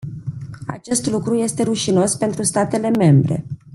Acest lucru este rușinos pentru statele membre.